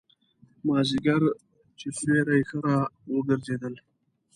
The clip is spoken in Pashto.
مازیګر چې سیوري ښه را وګرځېدل.